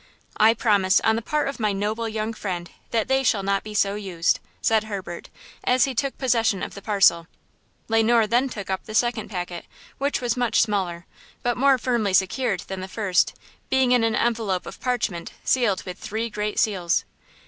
"I promise, on the part of my noble young friend, that they shall not be so used," said Herbert, as he took possession of the parcel. Le Noir then took up the second packet, which was much smaller, but more firmly secured, than the first, being in an envelope of parchment, sealed with three great seals.